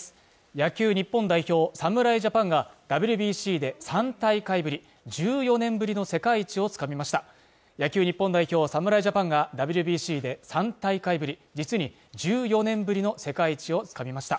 野球日本代表侍ジャパンがＷＢＣで３大会ぶり１４年ぶりの世界一をつかみました野球日本代表侍ジャパンがＷＢＣで３大会ぶり、実に１４年ぶりの世界一をつかみました。